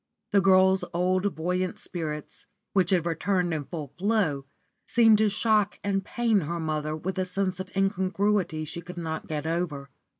The girl's old, buoyant spirits, which had returned in full flow, seemed to shock and pain her mother with a sense of incongruity she could not get over.